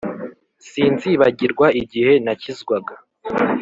Sinzibagirw' igihe nakizwaga